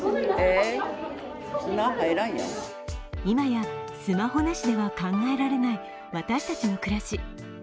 今やスマホなしでは考えられない私たちの暮らし。